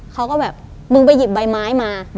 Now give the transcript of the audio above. เขาก็แบบมึงไปหยิบใบไม้มา